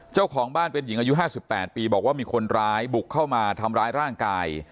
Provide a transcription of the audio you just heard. เจ้าของบ้านเป็นหญิงอายุ๕๘ปีบอกว่ามีคนร้ายบุกเข้ามาทำร้ายร่างกาย